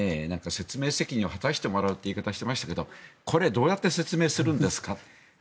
説明責任を果たしてもらうという言い方をしていましたがこれはどうやって説明するんですかと。